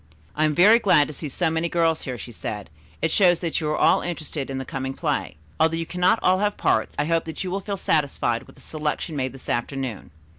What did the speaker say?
"I am very glad to see so many girls here," she said. "It shows that you are all interested in the coming play. Although you cannot all have parts, I hope that you will feel satisfied with the selection made this afternoon.